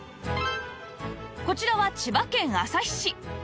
こちらは千葉県旭市